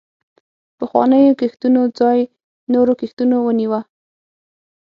پخوانیو کښتونو ځای نورو کښتونو ونیوه.